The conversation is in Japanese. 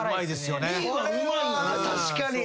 確かに。